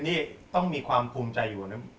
เคนดี้ต้องมีความภูมิใจอยู่